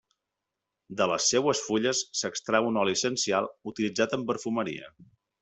De les seues fulles s'extrau un oli essencial utilitzat en perfumeria.